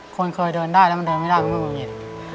คนเคยเดินยังไม่เงินมืด